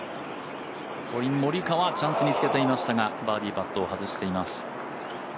コリン・モリカワチャンスにつけていましたがバーディーパットを外しています